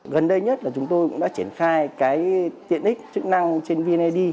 gần đây nhất là chúng tôi cũng đã triển khai cái tiện ích chức năng trên vned